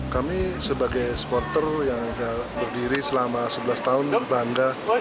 kami sebagai supporter yang berdiri selama sebelas tahun berbangga